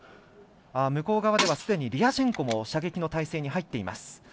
向こう側ではすでにリアシェンコも射撃の体勢に入っています。